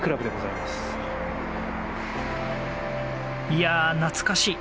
いや、懐かしい！